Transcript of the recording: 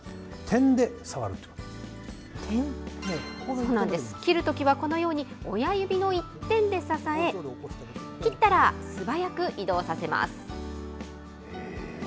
そうなんです、切るときはこのように親指の一点で支え、切ったら素早く移動させます。